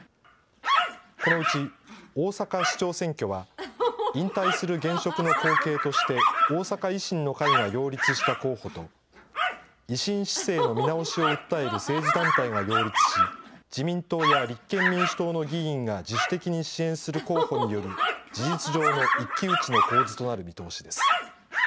このうち大阪市長選挙は、引退する現職の後継として、大阪維新の会が擁立した候補と、維新市政の見直しを訴える政治団体が擁立し、自民党や立憲民主党の議員が自主的に支援する候補による事実上の一騎打ちの構図となる見通しです。